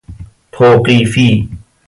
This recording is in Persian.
توقیفی